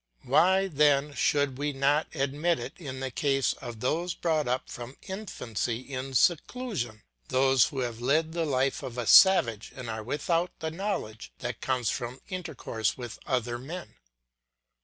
Why then should we not admit it in the case of those brought up from infancy in seclusion, those who have led the life of a savage and are without the knowledge that comes from intercourse with other men.